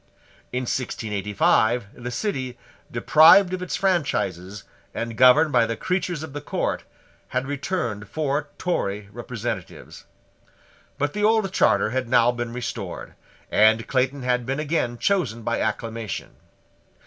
In 1685 the City, deprived of its franchises and governed by the creatures of the court, had returned four Tory representatives. But the old charter had now been restored; and Clayton had been again chosen by acclamation.